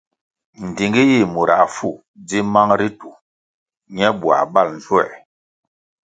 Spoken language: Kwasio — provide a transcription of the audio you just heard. Ndtingi yih murah fu dzi mang ritu ñe buãh bal nzuer.